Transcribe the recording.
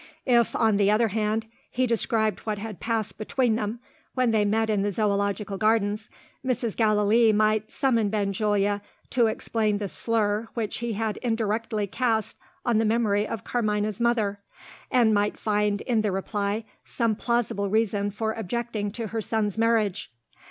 If, on the other hand, he described what had passed between them when they met in the Zoological Gardens, Mrs. Gallilee might summon Benjulia to explain the slur which he had indirectly cast on the memory of Carmina's mother and might find, in the reply, some plausible reason for objecting to her son's marriage.